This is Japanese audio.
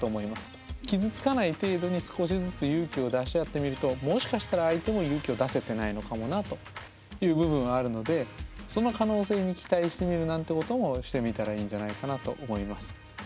傷つかない程度に少しずつ勇気を出し合ってみるともしかしたら相手も勇気を出せてないのかもなという部分はあるのでその可能性に期待してみるなんてこともしてみたらいいんじゃないかなと思います。